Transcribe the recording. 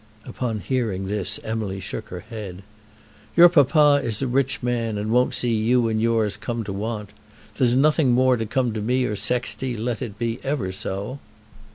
Upon hearing this Emily shook her head. "Your papa is a rich man, and won't see you and yours come to want. There's nothing more to come to me or Sexty let it be ever so."